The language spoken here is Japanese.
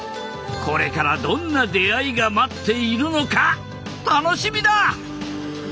これからどんな出会いが待っているのか楽しみだ！